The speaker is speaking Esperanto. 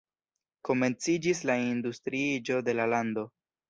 Komenciĝis la industriiĝo de la lando.